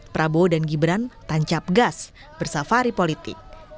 prabowo dan gibran tancap gas bersafari politik